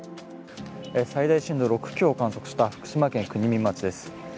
最大震度６強を観測した福島県国見町です。